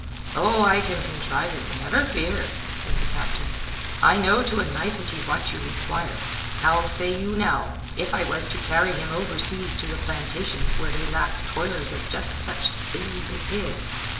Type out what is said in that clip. "Oh I can contrive it, never fear," said the captain. "I know to a nicety what you require. How say you now: if I was to carry him overseas to the plantations where they lack toilers of just such thews as his?"